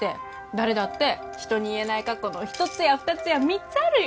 誰だって人に言えない過去の１つや２つや３つあるよ！